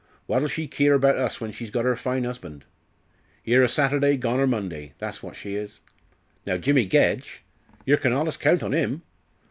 What'll she keer about us when she's got 'er fine husband? Here o' Saturday, gone o' Monday that's what she is. Now Jimmy Gedge, yer kin allus count on '_im.